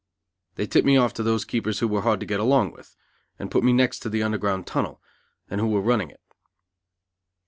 They tipped me off to those keepers who were hard to get along with, and put me next to the Underground Tunnel, and who were running it.